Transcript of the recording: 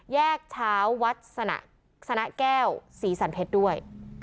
แยกเช้าวัดสนะแก้วศรีสันเพชรด้วย